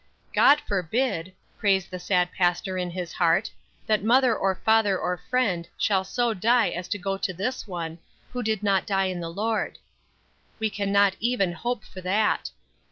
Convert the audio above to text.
God forbid, prays the sad pastor in his heart, that mother or father or friend shall so die as to go to this one, who did not die in the Lord. We can not even hope for that.